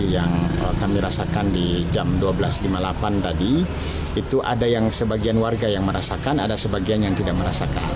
yang kami rasakan di jam dua belas lima puluh delapan tadi itu ada yang sebagian warga yang merasakan ada sebagian yang tidak merasakan